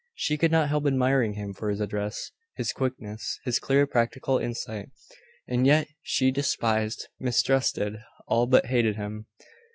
She could not help admiring him for his address, his quickness, his clear practical insight: and yet she despised, mistrusted, all but hated him.